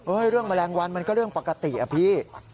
เรื่องแมลงวันมันก็เรื่องปกติอะพี่